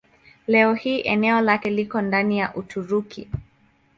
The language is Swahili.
Leo hii eneo lake liko ndani ya Uturuki.